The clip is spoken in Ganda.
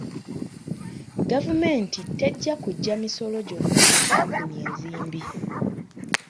Gavumenti tejja kujja misolo gyonna ku kkampuni enzimbi.